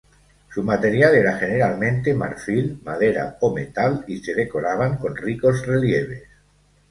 Su material era generalmente marfil, madera o metal, y se decoraban con ricos relieves.